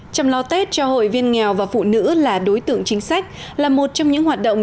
chăm lo tết cho hội viên nghèo và phụ nữ là đối tượng chính sách là một trong những hoạt động